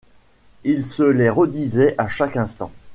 Il se les redisait à chaque instant.